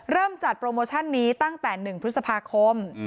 เริ่มจัดโปรโมชั่นนี้ตั้งแต่๑พฤษภาคม